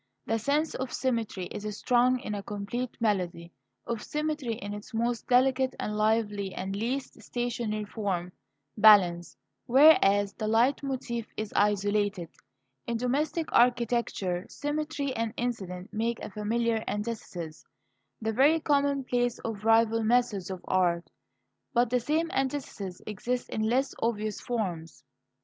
The sense of symmetry is strong in a complete melody of symmetry in its most delicate and lively and least stationary form balance; whereas the leit motif is isolated. In domestic architecture Symmetry and Incident make a familiar antithesis the very commonplace of rival methods of art. But the same antithesis exists in less obvious forms.